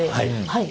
はい。